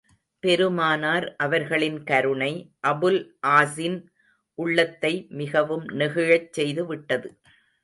பெருமானார் அவர்களின் கருணை, அபுல் ஆஸின் உள்ளத்தை மிகவும் நெகிழச் செய்துவிட்டது.